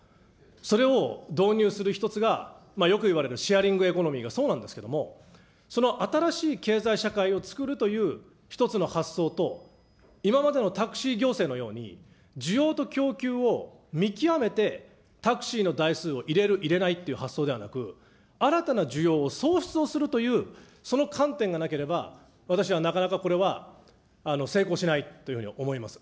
それを導入する一つが、よく言われるシェアリングエコノミーがそうなんですけども、その新しい経済社会を作るという１つの発想と、今までのタクシー行政のように、需要と供給を見極めてタクシーの台数を入れる入れないって発想ではなく、新たな需要を創出をするという、その観点がなければ、私はなかなかこれは成功しないというふうに思います。